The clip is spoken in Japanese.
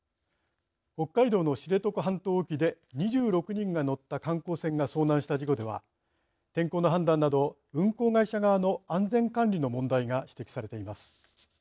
北海道の知床半島沖で２６人が乗った観光船が遭難した事故では天候の判断など運航会社側の安全管理の問題が指摘されています。